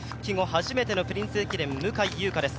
初めてのプリンセス駅伝、向井優香です